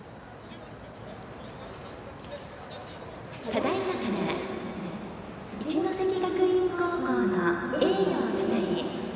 ただいまから一関学院高校の栄誉をたたえ